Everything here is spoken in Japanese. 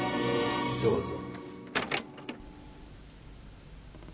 どうぞ。